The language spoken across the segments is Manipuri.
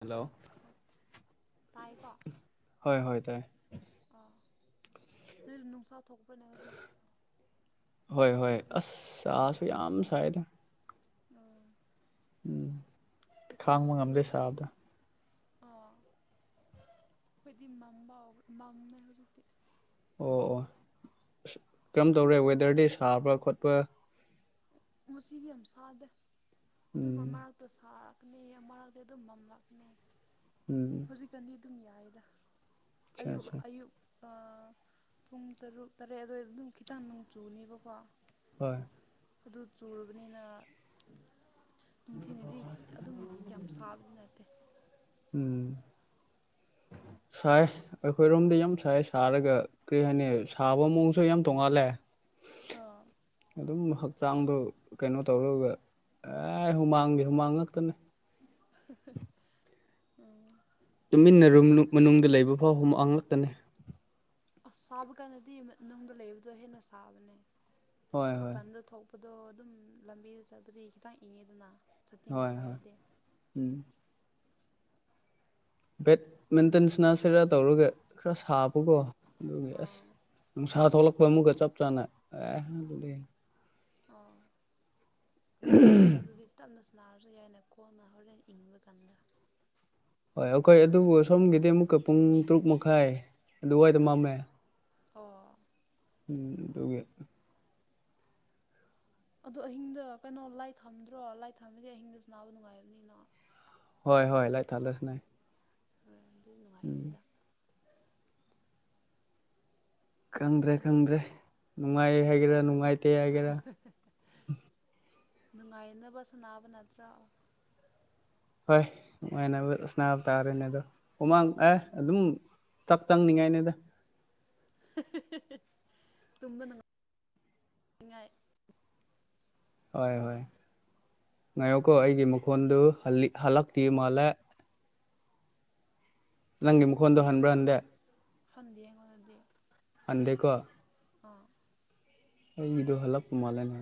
ꯍꯂꯣ ꯇꯥꯏꯀꯣ ꯍꯣꯏ ꯍꯣꯏ ꯇꯥꯏ ꯑꯥ ꯅꯣꯏ ꯅꯨꯡꯁꯥ ꯊꯣꯛꯄ꯭ꯔꯅꯦ ꯍꯧꯖꯤꯛ ꯍꯣꯏ ꯍꯣꯏ ꯑꯁꯁꯨ ꯌꯥꯝ ꯁꯥꯏꯗ ꯑꯣ ꯎꯝ ꯈꯥꯡꯕ ꯑꯩꯈꯣꯏꯗꯗꯤ ꯉꯝꯗꯦ ꯍꯧꯖꯤꯛꯇꯤ ꯁꯥꯕꯗ ꯑꯥ ꯑꯩꯣꯏꯗꯤ ꯃꯝꯕ ꯑꯣꯏꯕ ꯃꯝꯃꯦ ꯍꯧꯖꯤꯛꯇꯤ ꯑꯣ ꯑꯣ ꯑ ꯀꯔꯝ ꯇꯧꯔꯦ ꯋꯦꯗꯔꯗꯤ ꯁꯥꯕ ꯈꯣꯠꯄ ꯉꯁꯤꯗꯤ ꯌꯥꯝ ꯁꯥꯗꯦ ꯑꯗꯨ ꯃ ꯎꯝ ꯃꯔꯛꯇ ꯁꯥꯔ ꯂꯥꯛꯀꯅꯤ ꯃꯔꯥꯗ ꯑꯗꯨꯝ ꯃꯝꯂꯥꯛꯀꯅꯤ ꯎꯝ ꯑꯗꯨꯝ ꯌꯥꯏꯗ ꯑꯆꯥ ꯑꯌꯨ ꯑꯆꯥ ꯑꯌꯨꯛ ꯄꯨꯡ ꯇꯔꯨꯛ ꯇꯔꯦꯠ ꯑꯗꯨꯋꯥꯏ ꯑꯗꯨꯝ ꯈꯤꯇꯪ ꯅꯣꯡ ꯆꯨꯅꯦꯕꯀꯣ ꯍꯣꯏ ꯑꯗꯨ ꯆꯨꯔꯕꯅꯤꯅ ꯅꯨꯡꯊꯤꯅꯗꯤ ꯑꯗꯨꯝ ꯌꯥꯝ ꯁꯥꯕꯗꯤ ꯅꯠꯇꯦ ꯎꯝ ꯁꯥꯏ ꯑꯩꯈꯣꯏꯔꯣꯝꯗꯤ ꯌꯥꯝ ꯁꯥꯏ ꯁꯥꯔꯒ ꯀꯔꯤ ꯍꯥꯏꯅꯤ ꯁꯥꯕ ꯃꯑꯣꯡꯁꯨ ꯌꯥꯝ ꯇꯣꯡꯉꯥꯜꯂꯦ ꯑꯥ ꯑꯗꯨꯝ ꯍ ꯍꯛꯆꯥꯡꯗꯣ ꯀꯩꯅꯣ ꯇꯧꯔꯒ ꯑꯦ ꯍꯨꯃꯥꯡꯗꯤ ꯍꯨꯃꯥꯡ ꯉꯥꯛꯛꯇꯅꯦ ꯎꯝ ꯇꯨꯃꯤꯟꯅꯔꯨꯝ ꯃꯅꯨꯡꯗ ꯂꯩꯕ ꯐꯥꯎꯛ ꯉ ꯉꯛꯇꯅꯦ ꯑꯁ ꯁꯥꯕ ꯀꯥꯟꯗꯗꯤ ꯅꯨꯡ ꯂꯩꯕꯗꯣ ꯍꯦꯟꯅ ꯁꯥꯕꯅꯦ ꯍꯣꯏ ꯍꯣꯏ ꯃꯄꯟꯗ ꯊꯣꯛ ꯑꯗꯣ ꯑꯗꯨꯝ ꯂꯝꯕꯤꯗ ꯆꯠꯄꯗꯤ ꯈꯤꯇꯪ ꯏꯪꯉꯦꯗꯅ ꯍꯣꯏ ꯍꯣꯏ ꯎꯝ ꯕꯦꯠꯃꯤꯟꯇꯟꯁꯤꯅ ꯁꯤꯔ ꯇꯧꯔꯒ ꯈꯔ ꯁꯥꯕꯀꯣ ꯑꯗꯨꯒꯤ ꯑꯁ ꯑꯥ ꯅꯨꯡꯁꯥ ꯊꯣꯛꯂꯛꯄ ꯑꯃꯨꯛꯀ ꯆꯞ ꯆꯥꯅ ꯑꯦ ꯑꯗꯨꯗꯤ ꯎꯝ ꯑꯗꯗꯨꯗꯤ ꯇꯞꯅ ꯁꯅꯥꯔꯁꯨ ꯌꯥꯏꯅꯦ ꯀꯣꯟꯅ ꯍꯧꯔꯦꯟ ꯏꯪꯕ ꯀꯥꯟꯗ ꯍꯣꯏ ꯑꯩꯈꯣꯏ ꯑꯗꯨꯕꯨ ꯁꯣꯝꯒꯤꯗꯤ ꯑꯃꯨꯛꯀ ꯄꯨꯡ ꯇꯔꯨꯛ ꯃꯈꯥꯏ ꯑꯗꯨꯋꯥꯏꯗ ꯃꯝꯃꯦ ꯑꯣ ꯎꯝ ꯑꯗꯨꯒꯤ ꯑꯗꯣ ꯑꯍꯤꯡꯗ ꯀꯩꯅꯣ ꯂꯥꯏꯠ ꯊꯝꯗ꯭ꯔꯣ ꯂꯥꯏ ꯊꯝꯃꯗꯤ ꯑꯍꯤꯡꯗ ꯁꯅꯕ ꯅꯨꯡꯉꯥꯏꯕꯅꯤꯅ ꯍꯣꯏ ꯍꯣꯏ ꯂꯥꯏꯠ ꯊꯜꯂꯦ ꯂꯥꯏꯠ [inaudible] [unintelligible] ꯎꯝ ꯈꯪꯗ꯭ꯔꯦ ꯑꯗꯨ ꯈꯪꯗ꯭ꯔꯦ ꯅꯨꯡꯉꯥꯏ ꯍꯥꯏꯒꯦꯔꯥ ꯅꯨꯡꯉꯥꯏ ꯇꯦ ꯍꯥꯏꯒꯦꯔ ꯅꯨꯡꯉꯥꯏꯅꯕ ꯁꯅꯕ ꯅꯠꯇ꯭ꯔꯣ ꯍꯣꯏ ꯅꯨꯡꯉꯥꯏꯅꯕ ꯁꯅꯕ ꯇꯥꯔꯦꯅꯦ ꯑꯗꯣ ꯍꯨꯃꯥꯡ ꯑꯦ ꯎꯝ ꯑꯗꯨꯝ ꯆꯛ ꯆꯪꯅꯤꯡꯉꯥꯏꯅꯦꯗ ꯇꯨꯝꯕ ꯅꯨꯡꯉꯥꯏ ꯅꯤꯡꯉꯥꯏ ꯍꯣꯏ ꯍꯣꯏ ꯉꯥꯏꯌꯣꯀꯣ ꯑꯩꯒꯤ ꯃꯈꯣꯟꯗꯨ ꯍꯜꯂꯤꯛ ꯍꯜꯂꯛꯇꯤ ꯃꯥꯜꯂꯦ ꯅꯪꯒꯤ ꯃꯈꯣꯟꯗꯣ ꯍꯟꯕ꯭ꯔꯥ ꯍꯟꯗꯦ ꯍꯟꯗꯤꯌꯦ ꯑꯩꯉꯣꯟꯗꯗꯤ ꯍꯟꯗꯦꯀꯣ ꯑꯥ ꯑꯩꯒꯤꯗꯣ ꯍꯜꯂꯛꯄ ꯃꯥꯜꯅꯦ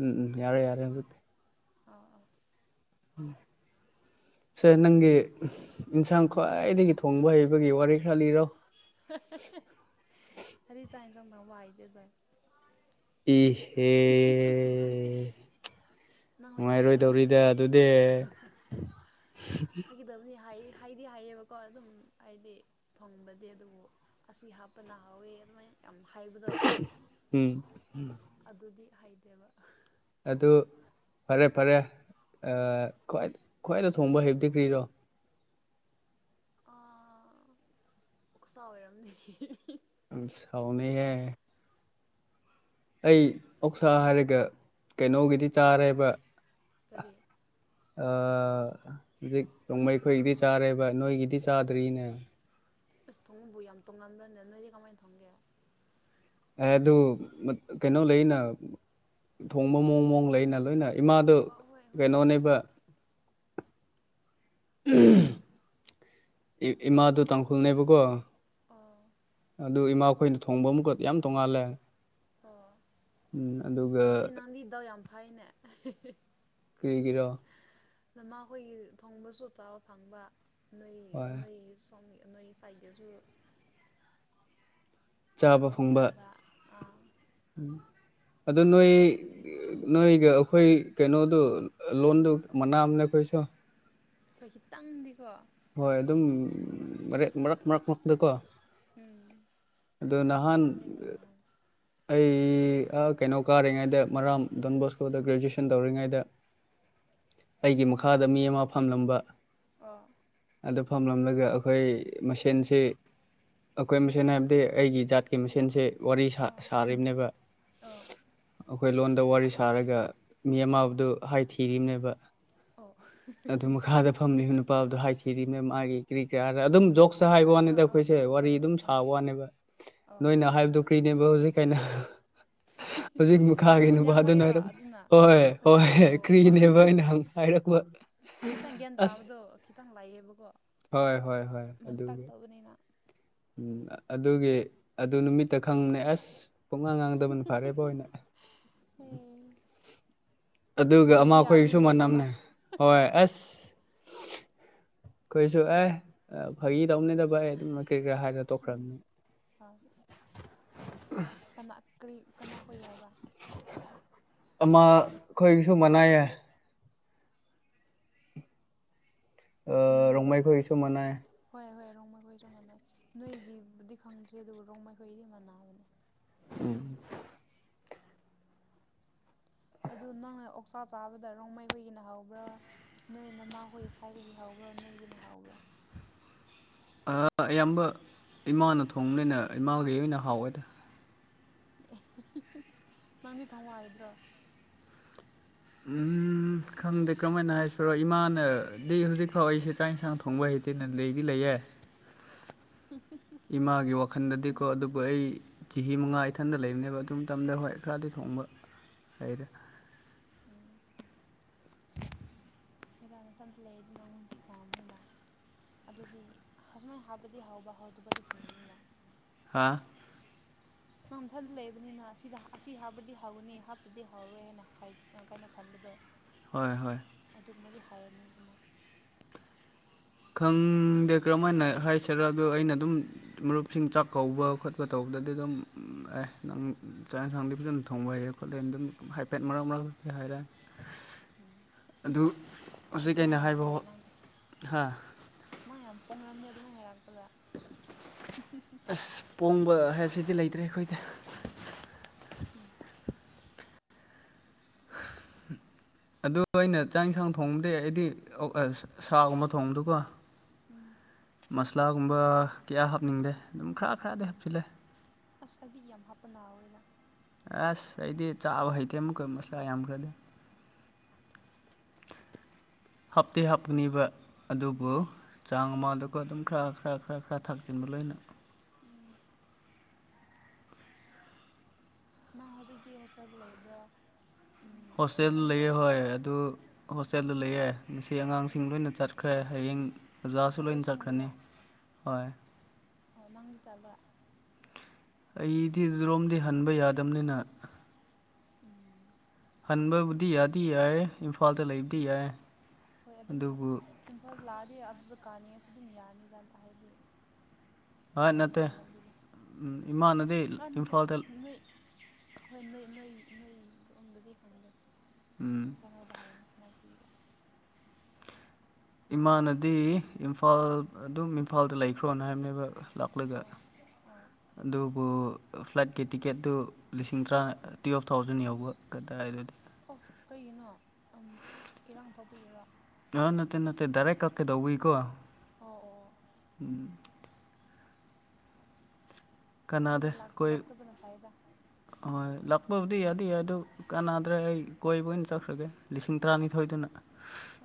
ꯎꯝ ꯎꯝ ꯌꯥꯔꯦ ꯌꯥꯔꯦ ꯍꯧꯖꯤꯛꯇꯤ ꯑꯥ ꯑꯥ ꯎꯝ ꯁꯦ ꯅꯪꯒꯤ ꯏꯟꯁꯥꯡ ꯈ꯭ꯋꯥꯏꯗꯒꯤ ꯊꯣꯡꯕ ꯍꯩ ꯑꯗꯨꯏ ꯆꯥꯛ ꯏꯟꯁꯥꯡ ꯗꯣ ꯃꯥꯏꯗꯦꯗ [unintelligible] [inaudible] ꯏꯍꯦ ꯅꯪ ꯑꯣꯏꯅ ꯍꯥꯏꯔꯛꯑꯣ ꯅꯨꯡꯉꯥꯏꯔꯣꯏꯗꯧꯔꯤꯗ ꯑꯗꯨꯗꯤ ꯐꯒꯤꯗꯕꯅꯤ ꯍꯥꯏꯌꯦ ꯍꯩꯗꯤ ꯍꯩꯌꯦꯕꯀꯣ ꯑꯗꯨꯝ ꯍꯥꯏꯗꯤ ꯊꯣꯡꯕꯗꯤ ꯑꯗꯨꯕꯨ ꯌꯥꯝ ꯍꯪꯕꯗꯣ ꯎꯝ ꯑꯗꯨꯗꯤ ꯍꯩꯇꯦꯕ ꯑꯗꯨ ꯐꯔꯦ ꯐꯔꯦ ꯑꯥ ꯈ꯭ꯋꯥꯏ ꯈ꯭ꯋꯥꯏꯗ ꯊꯣꯡꯕ ꯍꯩꯕꯗꯤ ꯀ꯭ꯔꯤꯔꯣ ꯑꯥ ꯑꯣꯛꯁꯥ ꯑꯣꯏꯔꯝꯅꯤ ꯎꯝ ꯑꯁ ꯍꯥꯎꯅꯤ ꯍꯦ ꯑꯩ ꯑꯣꯛꯁꯥ ꯍꯥꯏꯔꯒ ꯀꯩꯅꯣꯒꯤꯗꯤ ꯆꯥꯔꯦꯕ ꯀꯔꯤ ꯑꯥ ꯍꯧꯖꯤꯛ ꯔꯣꯡꯃꯩꯈꯣꯏꯒꯤꯗꯤ ꯆꯥꯔꯦꯕ ꯅꯣꯏꯒꯤꯗꯤ ꯆꯥꯗ꯭ꯔꯤꯅꯦ ꯑꯁ ꯊꯣꯡꯕꯕꯨ ꯌꯥꯝ ꯇꯣꯡꯉꯥꯟꯗꯕ꯭ꯔꯅꯦ ꯅꯣꯏꯗꯤ ꯀꯃꯥꯏꯅ ꯊꯣꯡꯒꯦ ꯑꯦ ꯑꯗꯨ ꯃꯠ ꯀꯩꯅꯣ ꯂꯩꯌꯦꯅ ꯏꯃꯥꯗꯣ ꯑꯥ ꯍꯣꯏ ꯍꯣꯏ ꯑꯗꯨꯗꯤ ꯀꯩꯅꯣꯅꯦꯕ ꯏꯃꯥꯗꯨ ꯇꯥꯡꯈꯨꯜꯅꯦꯕꯀꯣ ꯑꯣ ꯗꯨ ꯏꯃꯥꯈꯣꯏꯅ ꯊꯣꯡꯕ ꯑꯃꯨꯛꯀ ꯌꯥꯝ ꯇꯣꯡꯉꯥꯜꯂꯦ ꯑꯣ ꯎꯝ ꯑꯗꯨꯗꯤ ꯑꯗꯨꯒ ꯅꯪꯗꯤ ꯗꯥꯎ ꯌꯥꯝ ꯐꯩꯅꯦ ꯀꯔꯤꯒꯤꯔꯣ ꯅꯃꯥ ꯍꯣꯏꯒꯤ ꯈꯣꯡꯕꯁꯨ ꯆꯕ ꯐꯪꯕ ꯍꯣꯏ ꯊꯣꯡꯉꯤ ꯅꯣꯏꯒꯤ ꯁꯥꯏꯒꯁꯨ ꯆꯥꯕ ꯐꯪꯕ ꯑꯥ ꯑꯗꯨ ꯅꯣꯏ ꯅꯣꯏꯒ ꯑꯩꯈꯣꯏ ꯀꯩꯅꯣꯗꯨ ꯂꯣꯟꯗꯨ ꯃꯅꯥꯝꯅꯦ ꯑꯩꯈꯣꯏꯁꯨ ꯑꯩꯈꯣꯏ ꯈꯤꯇꯪꯗꯤꯀꯣ ꯍꯣꯏ ꯑꯗꯨꯝ ꯃꯔꯦꯛ ꯃꯔꯛ ꯃꯔꯛ ꯃꯔꯛꯇꯀꯣ ꯎꯝ ꯑꯗ ꯅꯍꯥꯟ ꯈꯤꯇꯪꯗꯤ ꯃꯥꯟꯅꯕꯅꯦ ꯑꯩ ꯀꯩꯅꯣ ꯀꯥꯔꯤꯉꯩꯗ ꯃꯔꯥꯝ ꯗꯣꯟ ꯕꯣꯁꯀꯣꯗ ꯒ꯭ꯔꯦꯖꯨꯑꯦꯁꯟ ꯇꯧꯔꯤꯉꯩꯗ ꯑꯩꯒꯤ ꯃꯈꯥꯗ ꯃꯤ ꯑꯃ ꯐꯝꯂꯝꯕ ꯑꯣ ꯑꯗꯨ ꯐꯝꯂꯝꯂꯒ ꯑꯩꯈꯣꯏ ꯃꯁꯦꯟꯁꯤ ꯑꯩꯈꯣꯏ ꯃꯁꯦꯟ ꯍꯥꯏꯕꯗꯤ ꯑꯩꯒꯤ ꯖꯥꯠꯀꯤ ꯃꯁꯦꯟꯁꯦ ꯋꯥꯔꯤ ꯑꯣ ꯁꯥꯔꯤꯕꯅꯦꯕ ꯑꯣ ꯑꯩꯈꯣꯏ ꯂꯣꯟꯗ ꯋꯥꯔꯤ ꯁꯥꯔꯒ ꯃꯤ ꯑꯃꯕꯗꯨ ꯍꯥꯏ ꯊꯤꯔꯤꯕꯝꯅꯦꯕ ꯑꯣ ꯑꯗꯨ ꯃꯈꯥꯗ ꯐꯝꯂꯤ ꯅꯨꯄꯥꯗꯣ ꯍꯥꯏꯈꯤꯔꯤ ꯃꯦꯝ ꯃꯥꯒꯤ ꯀ꯭ꯔꯤ ꯀꯥꯔ ꯑꯗꯨꯝ ꯖꯣꯛ ꯑ ꯍꯥꯏꯕ ꯑꯥ ꯋꯥꯅꯤꯗ ꯑꯥ ꯑꯩꯈꯣꯏꯁꯦ ꯋꯥꯔꯤ ꯑꯥ ꯑꯗꯨꯝ ꯑꯥ ꯁꯥꯕ ꯋꯥꯅꯦꯕ ꯑꯣ ꯅꯣꯏꯅ ꯍꯥꯏꯕꯗꯨꯣ ꯀ꯭ꯔꯤꯅꯦꯕ ꯍꯧꯖꯤꯛ ꯀꯅ [unintelligible] ꯍꯧꯖꯤꯛ ꯂꯤꯌꯥꯡ ꯃꯈꯥꯒꯤ ꯅꯨꯄꯥꯗꯨꯅ ꯂꯤꯌꯥꯡꯃꯩꯔꯣ ꯍꯥꯏꯝ ꯑꯗꯨꯅ ꯍꯣꯏ ꯅꯠꯇ꯭ꯔ ꯍꯣꯏ ꯑꯣ ꯀ꯭ꯔꯤꯅꯦꯕ ꯑꯩꯅꯪ ꯍꯥꯏꯔꯛꯄ ꯈꯤꯇꯪ ꯒ꯭ꯌꯥꯟ ꯑꯁ ꯇꯥꯕꯗꯣ ꯈꯤꯇꯪ ꯂꯥꯏꯛ ꯍꯣꯏ ꯍꯣꯏ ꯍ ꯑꯗꯨꯒꯤ ꯇꯧꯕꯅꯤꯅ ꯎꯝ ꯑꯗꯨꯒꯤ ꯑꯗꯨ ꯅꯨꯃꯤꯠꯇ ꯈꯪꯅ ꯑꯁ ꯄꯨꯡꯉꯥꯡ ꯉꯥꯡꯗꯕꯅ ꯐꯔꯦꯕ ꯑꯣꯏꯅ ꯎ ꯑꯦ ꯑꯗꯨꯒ ꯑꯃ ꯐꯨꯕꯤꯕ ꯌꯥꯕꯅꯤ ꯑꯩꯈꯣꯏꯁꯨ ꯅꯣꯏꯕꯨ ꯃꯅꯝꯅꯦ ꯍꯣꯏ ꯑꯁ ꯀꯩꯁꯨ ꯑꯦ ꯐꯥꯒꯤ ꯇꯧꯅꯤꯗꯕ ꯑꯩ ꯑꯗꯨ ꯀꯔꯤ ꯀꯔꯥ ꯍꯥꯏꯔ ꯎꯝ ꯇꯣꯛꯈ꯭ꯔꯕꯅꯤ ꯑꯥ ꯀꯅꯥ ꯀ ꯀꯅꯥ ꯍꯏ ꯍꯥꯏꯕ ꯑꯃ ꯑꯩꯈꯣꯏꯁꯨ ꯃꯅꯥꯏꯌꯦ ꯑ ꯔꯃꯥꯏꯈꯁꯨ ꯃꯅ ꯔꯣꯡ ꯃꯈꯩꯈꯣꯏꯁꯨ ꯃꯥꯟꯅꯩ ꯅꯣꯏꯒꯤꯕꯨꯗꯤ ꯈꯪꯗ꯭ꯦ ꯑꯗꯨꯕꯨ ꯔꯣꯡ ꯃꯈꯈꯣꯏꯗꯤ ꯃꯥꯟꯕꯅꯦ ꯎꯝ ꯑꯗꯨꯗ ꯅꯪꯅ ꯑꯣꯛꯆꯥ ꯆꯥꯕꯗ ꯔꯣꯡꯃꯩ ꯍꯣꯏꯒꯤꯅ ꯍꯧꯕ꯭ꯔꯥ ꯅꯣꯏ ꯅꯃꯥ ꯍꯣꯏ ꯁ꯭ꯋꯥꯏꯗꯒꯤ ꯍꯧꯕ꯭ꯔꯥ ꯭ꯔꯣ ꯅꯣꯏꯒꯤ ꯅ ꯍꯥꯎꯕ꯭ꯔꯥ [unintelligible] ꯑꯌꯥꯝꯕ ꯏꯃꯥꯅ ꯊꯣꯡꯕꯅꯤꯅ ꯏꯃꯥꯈ ꯑꯣꯏꯅ ꯍꯥꯎꯋꯦꯗ ꯑꯦ ꯅꯪꯗꯤ ꯊꯋꯥꯏꯗ꯭ꯔꯣ ꯎꯝ ꯈꯪꯗꯦ ꯀꯔꯝ ꯍꯥꯏꯅ ꯍꯥꯏꯁꯤꯔꯣ ꯏꯃꯥꯅꯗꯤ ꯍꯧꯖꯤꯛꯐꯥꯎ ꯑꯩꯁꯦ ꯆꯥꯛ ꯌꯦꯟꯁꯥꯡ ꯊꯣꯡꯕ ꯍꯩꯇꯦꯅ ꯂꯩꯗꯤ ꯂꯩꯌꯦꯦ [unintelligible] ꯅꯪ ꯑꯗꯨꯕꯨ ꯑꯩ ꯆꯍꯤ ꯃꯉꯥ ꯏꯊꯟꯗ ꯂꯩꯕꯅꯦꯕ ꯑꯗꯨ ꯃꯇꯝꯗ ꯍꯣꯏ ꯈꯔꯗꯤ ꯊꯣꯡꯕ ꯂꯩꯔꯦ ꯎꯝ ꯃ ꯇꯅ ꯁꯟꯁ ꯂꯩꯗꯅꯨꯇꯤ ꯊꯣꯡꯝꯅꯤꯅ ꯑꯗꯨꯗꯤ ꯑꯁꯃꯥꯏꯅ ꯍꯥꯞꯄꯗꯤ ꯍꯥꯎꯕ ꯍꯥꯎꯗꯕꯗꯤ ꯐꯪꯉꯕꯅꯤꯗ ꯍꯥ ꯅꯪ ꯃꯊꯟꯇ ꯂꯩꯕꯅꯤꯅ ꯑꯁꯤꯗ ꯑꯁꯤ ꯍꯥꯞꯄꯗꯤ ꯍꯧꯒꯅꯤ ꯍꯥꯞꯇꯗꯤ ꯍꯧꯔꯣꯏ ꯍꯥꯏꯅ ꯀꯩꯅꯣ ꯈꯟꯕꯗꯣ ꯍꯣꯏ ꯍꯣꯏ ꯑꯗꯨꯒꯨꯝꯕꯗꯤ ꯍꯥꯏꯔꯅꯤꯗꯅ ꯈꯪꯗꯦ ꯀꯔꯝꯍ ꯍꯥꯏꯅ ꯍꯥꯏꯁꯤꯔ ꯑꯗꯣ ꯑꯩꯅ ꯑꯗꯨꯝ ꯃꯔꯨꯞꯁꯤꯡ ꯆꯥꯛ ꯀꯧꯕ ꯈꯣꯠꯄ ꯇꯧꯕ ꯑꯗꯨꯗꯗꯤ ꯑꯗꯨꯝ ꯑꯦ ꯅꯪ ꯆꯥꯛ ꯌꯦꯟꯁꯥꯡꯗꯤ ꯐꯖꯅ ꯊꯣꯡꯕ ꯍꯩꯔꯦ ꯈꯣꯠꯂꯦ ꯑꯗꯨꯝ ꯍꯥꯏꯐꯦꯠ ꯃꯔꯛ ꯃꯔꯛꯇ ꯍꯥꯏꯔꯦ ꯎꯝ ꯑꯗꯨ ꯍꯧꯖꯤꯛ ꯀꯩꯅꯣ ꯍꯥꯏꯕ ꯍꯥ ꯃꯥ ꯌꯥꯝ ꯄꯣꯡꯅꯝꯅꯦ ꯑꯗꯨꯃꯥꯏꯅ ꯍꯥꯏꯔꯛꯄꯗ ꯑꯁ ꯄꯣꯡꯕ ꯍꯥꯏꯕꯁꯤꯗꯤ ꯂꯩꯇ꯭ꯔꯦ ꯑꯩꯈꯣꯏꯗ ꯎꯝ ꯑꯗꯨ ꯑꯩꯅ ꯆꯥꯛ ꯌꯦꯟꯁꯥꯡ ꯊꯣꯡꯕꯗꯤ ꯑꯩꯗꯤ ꯁꯥꯒꯨꯝꯕ ꯊꯣꯡꯕꯗꯨꯀꯣ ꯎꯝ ꯃꯁꯂꯥꯒꯨꯝꯕ ꯀꯌꯥ ꯍꯥꯞꯅꯤꯡꯗꯦ ꯑꯗꯨꯝ ꯈꯔ ꯈꯔꯗꯤ ꯍꯥꯞꯆꯤꯜꯂꯦ ꯑꯁ ꯍꯥꯏꯗꯤ ꯌꯥꯝ ꯍꯥꯞꯄ ꯅꯥꯎꯋꯦꯗ ꯒꯌꯥꯁ ꯑꯩꯗꯤ ꯆꯥꯕ ꯍꯩꯇꯦ ꯑꯃꯨꯛ ꯀꯣꯏ ꯃꯁꯂꯥ ꯌꯥꯝꯈ꯭ꯔꯗꯤ ꯍꯥꯞꯇꯦ ꯑꯗꯣ ꯍꯥꯞꯅꯤꯕ ꯎꯝ ꯑꯗꯨꯕꯨ ꯆꯥꯡ ꯑꯃꯗꯨ ꯑꯗꯨꯝ ꯈꯔ ꯈꯔ ꯈꯔ ꯈꯔ ꯊꯥꯛꯆꯤꯟꯕ ꯂꯣꯏꯅ ꯎꯝ ꯅꯪ ꯍꯧꯖꯤꯛꯇꯤ ꯍꯣꯁꯇꯦꯜꯗ ꯂꯩꯕ꯭ꯔꯣ ꯎꯝ ꯍꯣꯁꯇꯦꯜꯗ ꯅꯊꯟꯇ ꯂꯩꯑꯦ ꯂꯩꯕ꯭ꯔꯥ ꯍꯣꯏ ꯑꯗꯨ ꯍꯣꯁꯇꯦꯜꯗ ꯂꯩꯑꯦ ꯉꯁꯤ ꯑꯉꯥꯡꯁꯤꯡ ꯂꯣꯏꯅ ꯆꯠꯈ꯭ꯔꯦ ꯍꯌꯦꯡ ꯑꯣꯖꯥꯁꯨ ꯂꯣꯏ ꯆꯠꯈ꯭ꯔꯅꯤ ꯚꯦꯀꯦꯁꯟꯒꯤꯔꯣ ꯍꯣꯏ ꯑꯣ ꯅꯪꯗꯤ ꯆꯠꯂ ꯑꯩꯗꯤ ꯖꯔꯣꯝꯗꯤ ꯍꯟꯕ ꯌꯥꯗꯕꯅꯤꯅ ꯎꯝ ꯍꯟꯕꯕꯨꯗꯤ ꯌꯥꯗꯤ ꯌꯥꯏ ꯏꯝꯐꯥꯜꯗ ꯂꯩꯕꯗꯤ ꯌꯥꯏ ꯍꯣꯏ ꯑꯗꯨꯝ ꯑꯗꯨꯕꯨ ꯏꯝꯐꯥꯜꯗ ꯂꯥꯛꯑꯗꯤ ꯑꯗꯨꯗ ꯀꯥꯅꯤꯡꯉꯁꯨ ꯑꯗꯨꯝ ꯌꯥꯔꯅꯤꯗ ꯍꯥꯏꯗꯤ ꯍ ꯅꯠꯇꯦ ꯂꯩꯌꯦꯅ ꯂꯝꯕꯤꯗꯤ ꯏꯃꯥꯟꯅꯗꯤ ꯑꯥ ꯅꯠꯇꯦ ꯏꯝꯐꯥꯜꯗ ꯅꯣꯏ ꯍꯣꯏ ꯅꯣꯏ ꯅꯣꯏ ꯅꯣꯏ ꯒ꯭ꯔꯨꯞꯨꯝꯗꯨꯗꯤ ꯍꯪꯗꯦ ꯎꯝ ꯀꯩꯅꯣꯗ ꯍꯥꯏꯦ ꯅꯦꯁꯅꯥꯎꯇꯤꯕꯤꯗ ꯏꯃꯥꯅꯗꯤ ꯏꯝꯐꯥꯜ ꯑꯗꯨꯝ ꯏꯝꯐꯥꯜꯗ ꯂꯩꯈ꯭ꯔꯣꯅ ꯍꯥꯏꯕꯅꯦꯕ ꯂꯥꯛꯂꯒ ꯑꯥ ꯑꯥ ꯑꯗꯨꯕꯨ ꯐ꯭ꯂꯥꯏꯠꯀꯤ ꯇꯤꯛꯀꯦꯠꯇꯨ ꯂꯤꯁꯤꯡ ꯇꯔꯥ ꯇꯨꯌꯦꯜꯞ ꯊꯥꯎꯖꯟ ꯌꯥꯎꯕ ꯀꯗꯥꯏ ꯑꯗꯨꯗꯤ ꯑꯁ ꯀꯩꯒꯤꯅꯣ ꯏꯔꯥꯡ ꯊꯣꯛꯥꯎꯕꯤꯔꯣ ꯑ ꯅꯠꯇꯦ ꯅꯠꯇꯦ ꯗꯔꯦ ꯀꯛꯀꯗꯧꯋꯤ ꯀꯣ ꯑꯣ ꯑꯣ ꯎꯝ ꯀꯅꯥꯗ ꯃꯣꯏꯗ ꯀ ꯂꯥꯛꯇꯕꯅ ꯐꯩꯗ ꯆꯄꯕꯨꯗꯤ ꯌꯥꯗ ꯌꯥ ꯑꯗꯨ ꯀꯅꯥꯗ꯭ꯔꯦ ꯑꯩ ꯀꯣꯏꯕ ꯑꯣꯏꯅ ꯆꯠꯈ꯭ꯔꯒꯦ ꯂꯤꯁꯤꯡ ꯇꯔꯥꯅꯤꯊꯣꯏꯗꯨꯅ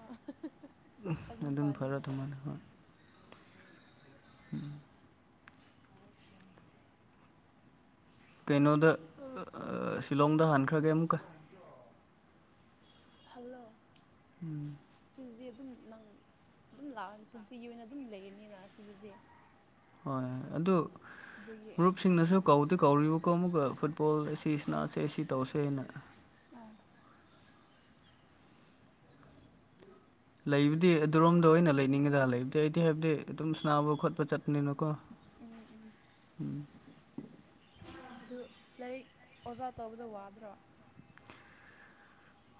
ꯑꯥ ꯑꯗꯨꯅ ꯅꯠꯇꯅ ꯐꯅꯤ ꯐꯔꯗ ꯑꯃꯅꯍ ꯎꯝ ꯀꯩꯅꯣꯗ ꯁꯤꯂꯣꯡꯗ ꯍꯥꯟꯈ꯭ꯔꯒꯦ ꯑꯃꯨꯛꯀ ꯍꯜꯂꯣ ꯎꯝ ꯑꯗꯨꯗꯤ ꯑꯗꯨꯝ ꯅꯪ ꯑꯗꯨꯝ ꯂꯥꯛꯑꯅꯤ ꯄꯨꯟꯁꯤꯒꯤ ꯑꯣꯏꯅ ꯑꯗꯨꯝ ꯂꯩꯔꯅꯤꯅ ꯑꯁꯤꯗꯗꯤ ꯍꯣꯏꯣꯏ ꯑꯗꯨ ꯑꯗꯨꯒꯤ ꯃꯔꯨꯞꯁꯤꯡꯅꯁꯨ ꯀꯧ ꯑ ꯀꯧꯔꯤꯕꯀꯣ ꯑꯃꯨꯛꯀ ꯐꯨꯠꯕꯣꯜ ꯑꯁꯤ ꯁꯤꯅꯥꯁꯦ ꯑꯁꯤ ꯇꯧꯁꯦꯅ ꯑꯣ ꯂꯩꯕꯨꯗꯤ ꯑꯗꯨꯔꯣꯝꯗ ꯑꯣꯏꯅ ꯂꯩꯅꯤꯡꯒꯗ꯭ꯔ ꯂꯩꯕꯗꯤ ꯑꯩꯗꯤ ꯍꯥꯏꯕꯗꯤ ꯑꯗꯨꯝ ꯁꯅꯥꯕ ꯈꯣꯠꯄ ꯆꯠꯄ ꯅꯅꯀꯣ ꯎꯝ ꯎꯝ ꯎ ꯑꯗꯨ ꯂꯥꯏꯔꯤꯛ ꯑꯣꯖꯥ ꯇꯧꯕꯗ ꯋꯥꯗ꯭ꯔꯥ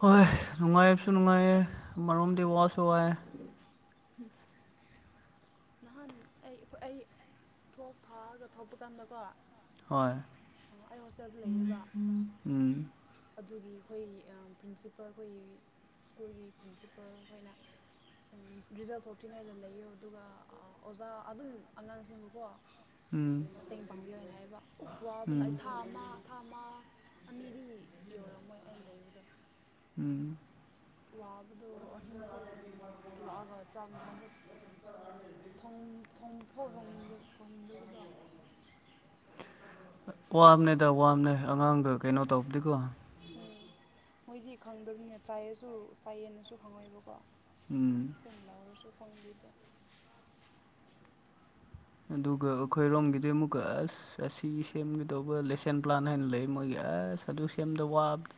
ꯍꯣꯏ ꯅꯨꯡꯉꯥꯏꯕꯁꯨ ꯅꯨꯡꯉꯥꯏꯌꯦ ꯑꯃꯣꯝꯗꯤ ꯋꯥꯁꯨ ꯋꯥ ꯎꯝ ꯅꯍꯥꯟ ꯑꯩꯣꯏ ꯑꯩ ꯊ ꯊꯥꯔꯒ ꯊꯣꯛꯄ ꯀꯥꯟꯗꯀꯣ ꯍꯣꯏ ꯑꯩ ꯍꯣꯁꯇꯦꯜꯗ ꯂꯩꯌꯦꯕ ꯎꯝ ꯑꯗꯨꯒꯤ ꯑꯩꯈꯣꯏ ꯄ꯭ꯔꯤꯟꯁꯤꯄꯜ ꯑꯩꯈꯣꯏꯒꯤ ꯁ꯭ꯀꯨꯜꯒꯤ ꯄ꯭ꯔꯤꯟꯁꯤꯄꯜ ꯑꯩꯈꯣꯏꯅ ꯎꯝ ꯔꯤꯖꯜ ꯊꯣꯛꯇ꯭ꯔꯤꯉꯩꯗ ꯂꯩꯌꯣ ꯑꯗꯨꯒ ꯑꯣꯖꯥ ꯑꯗꯨꯝ ꯑꯉꯥꯡꯁꯤꯡꯕꯨꯀꯣ ꯎꯝ ꯃꯇꯦꯡ ꯄꯥꯡꯕꯤꯌꯣꯅ ꯍꯥꯏꯕ ꯎ ꯋꯥꯕꯅ ꯎꯝ ꯑꯩ ꯊꯥ ꯑꯃ ꯊꯥ ꯑꯃ ꯑꯅꯤꯗꯤ ꯌꯧꯔꯝꯃꯣꯏ ꯑꯩꯅ ꯂꯩꯕꯗꯣ ꯎꯝ ꯋꯥꯕꯗꯣ ꯑꯍꯤꯡꯐꯥꯎ ꯂꯥꯛꯑꯒ ꯆꯥꯛꯃꯤꯅꯥꯥꯡꯐꯥꯎ ꯐꯥꯎ ꯊꯣꯡꯅꯤꯡꯗꯦꯕ ꯊꯣꯡꯗꯕꯗꯣ ꯋꯥꯝꯅꯦꯗ ꯋꯥꯝꯅꯦ ꯑꯉꯥꯡꯗ ꯀꯩꯅꯣ ꯇꯧꯕꯗꯤꯀꯣ ꯎꯝ ꯃꯣꯏꯗꯤ ꯈꯪꯗꯕꯅꯤꯅ ꯆꯥꯏꯑꯁꯨ ꯆꯥꯏꯌꯦꯅꯁꯨ ꯈꯪꯉꯣꯏꯕꯀꯣ ꯎꯝ ꯁꯣꯡꯕꯤꯤꯗ ꯑꯗꯨꯒ ꯑꯩꯈꯣꯏꯔꯣꯝꯒꯤꯗꯨ ꯑꯃꯨꯛꯀ ꯑꯁ ꯑꯁꯤ ꯁꯦꯝꯒꯗꯧꯕ ꯂꯦꯁꯦꯟ ꯄ꯭ꯂꯥꯟ ꯍꯥꯏꯅ ꯂꯩ ꯃꯣꯏꯒꯤ ꯑꯁ ꯑꯗꯨ ꯁꯦꯝꯗ ꯋꯥꯕꯗ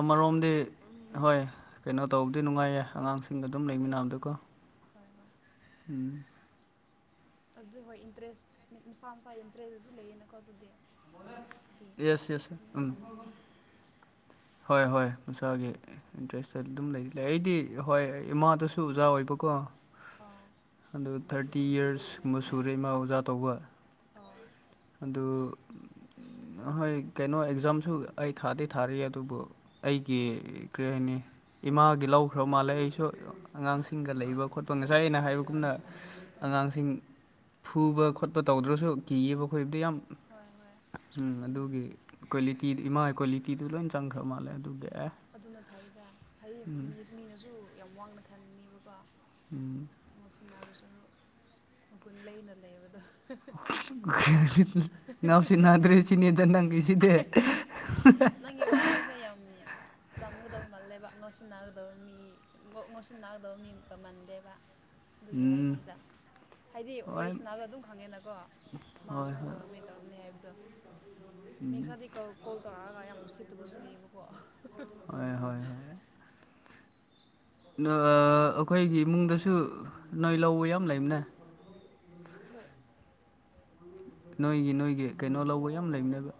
ꯑꯃꯔꯣꯝꯗꯤ ꯍꯣꯏ ꯀꯩꯅꯣ ꯇꯧꯕꯗꯤ ꯅꯨꯡꯉꯥꯏꯌꯦ ꯑꯉꯥꯡꯁꯤꯡ ꯑꯗꯨꯝ ꯂꯩꯃꯤꯟꯅꯕꯗꯨꯀꯣ ꯍꯣꯏ ꯍꯣꯏ ꯎꯝ ꯑꯗꯨꯏ ꯍꯣꯏ ꯏꯟꯇꯔꯦꯁ ꯃꯁꯥ ꯃꯁꯥ ꯏꯟꯇꯔꯦꯁꯇꯁꯨ ꯂꯩꯌꯦꯅꯀꯣ ꯑꯗꯨꯗꯤ ꯍꯥꯏꯗꯤ ꯌꯦꯁ ꯌꯦꯁ ꯃꯤ ꯎꯝ ꯍꯣꯏ ꯍꯣꯏ ꯃꯁꯥꯒꯤ ꯏꯟꯇ꯭ꯔꯦꯁꯇ ꯑꯗꯨꯝ ꯂꯩꯔꯤ ꯂꯩ ꯑꯩꯗꯤ ꯍꯣꯏ ꯏꯃꯥꯗꯁꯨ ꯑꯣꯖꯥ ꯑꯣꯏꯕꯀꯣ ꯑꯥ ꯑꯗꯨ ꯊꯥꯔꯇꯤ ꯌꯔꯁꯀꯨꯝꯕ ꯁꯨꯔꯦ ꯏꯃꯥ ꯑꯣꯖꯥ ꯇꯧꯕ ꯑꯥ ꯑꯗꯨꯗꯣ ꯍꯣꯏ ꯀꯩꯅꯣ ꯑꯦꯛꯖꯥꯝꯁꯨ ꯑꯩ ꯊꯥꯗꯤ ꯊꯥꯔꯤ ꯑꯗꯨꯕꯨ ꯑꯩꯒꯤ ꯀꯔꯤ ꯍꯥꯏꯅꯤ ꯏꯃꯥꯒꯤ ꯂꯧꯈ꯭ꯔ ꯃꯥꯜꯂꯦ ꯑꯩꯁꯨ ꯑꯉꯥꯡꯁꯤꯡꯒ ꯂꯩꯕ ꯈꯣꯠꯄ ꯉꯁꯥꯏ ꯑꯩꯅ ꯍꯥꯏꯕꯒꯨꯝꯅ ꯑꯉꯥꯡꯁꯤꯡ ꯐꯨꯕ ꯈꯣꯠꯄ ꯇꯧꯗ꯭ꯔꯁꯨ ꯀꯤꯌꯦꯕ ꯈꯣꯕꯗ ꯌꯥꯝ ꯍꯣꯏ ꯍꯣꯏ ꯎꯝ ꯑꯗꯨꯒꯤ ꯀ꯭ꯋꯥꯂꯤꯇꯤꯗꯨ ꯏꯃꯥꯒꯤ ꯀ꯭ꯋꯥꯂꯤꯇꯤꯗꯨ ꯂꯣꯏ ꯆꯪꯈ꯭ꯔ ꯃꯥꯜꯂꯦ ꯑꯗꯨ ꯕꯦꯛ ꯑꯗꯨꯅ ꯐꯩꯗ ꯍꯥꯏꯗꯤ ꯃꯤꯅꯁꯨ ꯌꯥꯝ ꯋꯥꯡꯅ ꯈꯟꯅꯤꯕꯀꯣ ꯎꯝ ꯃꯉꯣꯠꯁꯤꯕꯁꯨ ꯃꯒꯨꯟ ꯂꯩꯅ ꯂꯩꯕꯗꯣ [inaudible] ꯏꯅꯥꯎꯁꯤ ꯅꯥꯗ꯭ꯔꯦ ꯁꯤꯅꯦꯗ ꯅꯪꯉꯁꯤꯗꯤ [inaudible] ꯅꯪꯒꯤ ꯋꯥꯍꯩꯁꯦ ꯌꯥꯝ ꯆꯝꯒꯗꯕ ꯃꯥꯜꯂꯦꯕ ꯉꯧꯁꯤꯟꯅꯒꯗꯕ ꯃꯤ ꯉꯧꯁꯤꯟꯅꯒꯗꯕ ꯃꯤ ꯑꯃꯛ ꯀꯃꯟꯗꯦꯕ ꯑꯗꯨꯒꯤ ꯎꯝ ꯍꯥꯏꯕꯗꯨꯗ ꯍꯥꯏꯗꯤ ꯍꯣꯏ ꯑꯣꯔꯤꯖꯤꯅꯦꯜꯒ ꯑꯗꯨꯝ ꯈꯪꯉꯦꯅꯀꯣ ꯃꯥꯁ ꯍꯣꯏ ꯍꯣꯏ ꯇꯝ ꯍꯥꯏꯕꯗ ꯃꯤ ꯈꯔꯗꯤ ꯀꯣ ꯇꯧꯔꯛꯑꯒ ꯌꯥꯝ ꯎꯁꯤ ꯐꯠꯇꯕꯁꯨ ꯂꯩꯌꯦꯕꯀꯣ ꯍꯣꯏ ꯍꯣꯏ ꯍꯣꯏ ꯑꯩꯈꯣꯏꯒꯤ ꯏꯃꯨꯡꯗꯁꯨ ꯅꯣꯏ ꯂꯧꯕ ꯌꯥꯝ ꯂꯩꯕꯅꯦ ꯀ ꯅꯣꯏꯒꯤ ꯅꯣꯏꯒꯤ ꯀꯩꯅꯣ ꯑꯣ ꯂꯧꯕ ꯌꯥꯝ ꯑꯣ ꯑꯣ ꯑꯣ ꯂꯩꯕꯅꯦꯕ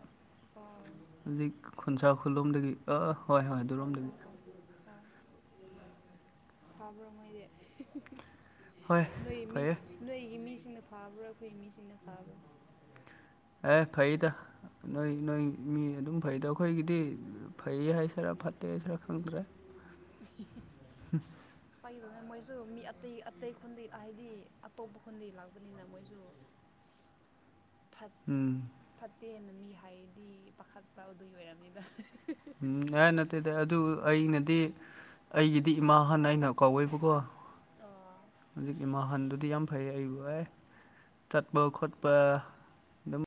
ꯍꯧꯖꯤꯛ ꯈꯨꯟꯁꯥ ꯈꯨꯈꯜꯂꯣꯝꯗꯒꯤ ꯑꯥ ꯍꯣꯏ ꯍꯣꯏ ꯑꯣ ꯑꯗꯨꯔꯣꯝꯗꯒꯤ ꯑꯣ ꯑꯣ ꯑꯣ ꯐꯥꯕ꯭ꯔꯣꯉꯩꯗꯤ ꯍꯣꯏ ꯅꯣꯏ ꯃꯤ ꯐꯩꯌꯦ ꯅꯣꯏꯒꯤ ꯃꯤꯁꯤꯡꯅ ꯐꯥꯕ꯭ꯔꯥ ꯑꯩꯈꯣꯏꯒꯤ ꯃꯤꯁꯤꯡꯅ ꯐꯥꯕ꯭ꯔꯥ ꯑꯦ ꯐꯩꯗ ꯅꯣꯏ ꯅꯣꯏ ꯃꯤ ꯑꯗꯨꯝ ꯐꯩꯗꯣ ꯑꯩꯈꯣꯏꯒꯤꯗꯤ ꯐꯩ ꯍꯥꯏꯁꯤꯔꯥ ꯐꯠꯇꯦ ꯍꯥꯏꯁꯔꯥ ꯈꯪꯗ꯭ꯔꯦ ꯎ ꯎ ꯄꯥꯏꯒꯤꯗꯅ ꯃꯣꯏꯁꯨ ꯃꯤ ꯑꯇꯩ ꯑꯇꯩ ꯈꯨꯣꯟꯗ ꯍꯥꯏꯗꯤ ꯑꯇꯣꯞꯄ ꯈꯨꯟꯗ ꯂꯥꯛꯄꯅꯤꯅ ꯃꯣꯏꯁꯨ [unintelligible] ꯎꯝ ꯐꯠꯇꯦꯅ ꯃꯤ ꯍꯥꯏꯗꯤ ꯄꯥꯈꯠꯄ ꯑꯗꯨꯏ ꯑꯣꯏꯔꯝꯅꯤꯗꯅ ꯎꯝ ꯑꯦ ꯅꯠꯇꯦꯗ ꯑꯗꯨ ꯑꯩꯅꯗꯤ ꯑꯩꯒꯤꯗꯤ ꯏꯃꯥ ꯍꯥꯟꯅ ꯑꯩꯅ ꯀꯥꯎꯋꯦꯕꯀꯣ ꯑꯣ ꯍꯧꯖꯤꯛꯀꯤ ꯃꯍꯜꯗꯨꯗꯤ ꯌꯥꯝ ꯐꯩ ꯑꯩꯕꯨꯣꯦ ꯆꯠꯕꯧꯈꯠꯄ